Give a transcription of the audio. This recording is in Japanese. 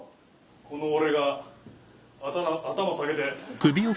この俺があた頭下げて。